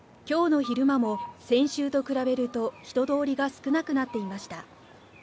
きょうの昼間も、先週と比べると人通りが少なくなっていました。